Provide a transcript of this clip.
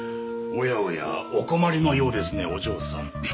おやおやお困りのようですねお嬢さん。